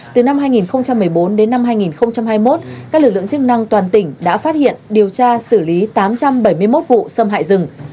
từ năm hai nghìn một mươi bốn đến năm hai nghìn hai mươi một các lực lượng chức năng toàn tỉnh đã phát hiện điều tra xử lý tám trăm bảy mươi một vụ xâm hại rừng